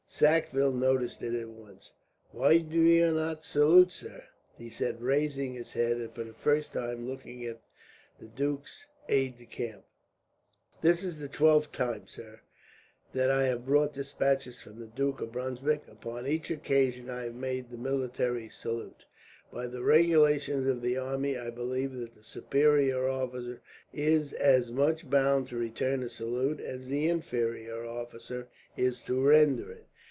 Sackville noticed it at once. "Why do you not salute, sir?" he said, raising his head, and for the first time looking at the duke's aide de camp. "This is the twelfth time, sir, that I have brought despatches from the Duke of Brunswick. Upon each occasion I have made the military salute. By the regulations of the army, I believe that the superior officer is as much bound to return a salute as the inferior officer is to render it.